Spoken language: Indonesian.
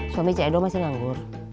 suami c edo masih nganggur